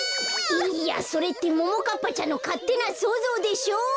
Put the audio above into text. いいやそれってももかっぱちゃんのかってなそうぞうでしょ！